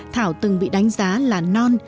thảo từng bị đánh giá là non